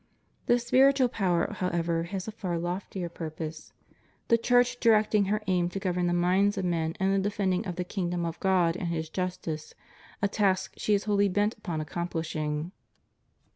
The spiritual power, however, has a far loftier purpose, the Church directing her aim to govern the minds of men in the defending of the kingdom of God, and His justice,^ a task she is wholly bent upon accomplishing.